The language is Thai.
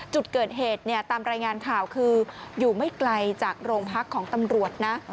จุดเกิดเหตุเนี่ยตามรายงานข่าวคืออยู่ไม่ไกลจากโรงพักของตำรวจนะ